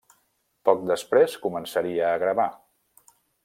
Poc després començaria a gravar.